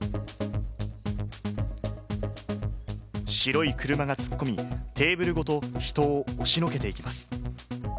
白い車が突っ込み、テーブルごと人を押しのけていきます。